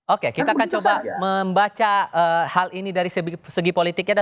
oke kita akan coba membaca hal ini dari segi politiknya